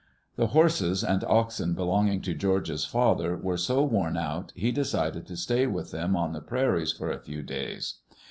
The horses and oxen belonging to George's father were so worn out he decided to stay with them on the prairies for a few days.